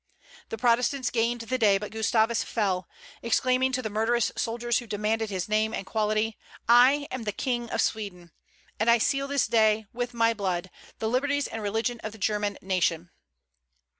The Protestants gained the day, but Gustavus fell, exclaiming to the murderous soldiers who demanded his name and quality, "I am the King of Sweden! And I seal this day, with my blood, the liberties and religion of the German nation."